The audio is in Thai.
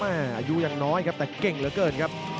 อายุยังน้อยครับแต่เก่งเหลือเกินครับ